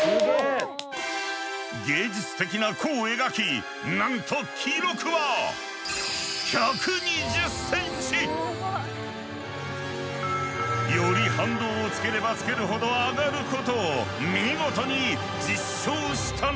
芸術的な弧を描きなんと記録は１２０センチ！より反動をつければつけるほど上がることを見事に実証したのだ。